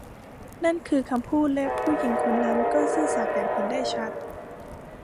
นั่นคือคำพูดและผู้หญิงคนนั้นก็ซื่อสัตย์อย่างเห็นได้ชัด